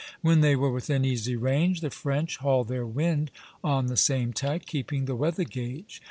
When they were within easy range, the French hauled their wind on the same tack, keeping the weather gage.